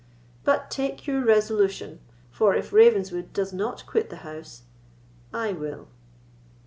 But take your resolution; for, if Ravenswood does not quit the house, I will."